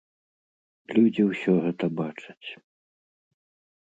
Людзі ўсё гэта бачаць.